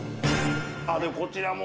でもこちらも。